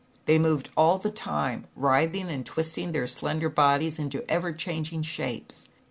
They [oved all the time, writhing and twist their slender bodies into shapes.